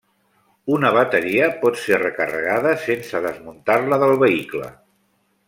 Una bateria pot ser recarregada sense desmuntar-la del vehicle.